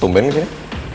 tumpeng gak sih